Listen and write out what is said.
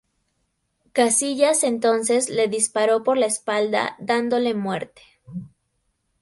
Casillas entonces le disparó por la espalda dándole muerte.